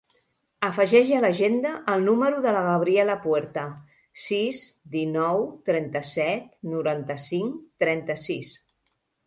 Afegeix a l'agenda el número de la Gabriela Puerta: sis, dinou, trenta-set, noranta-cinc, trenta-sis.